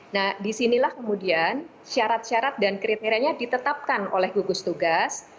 nah disinilah kemudian syarat syarat dan kriterianya ditetapkan oleh gugus tugas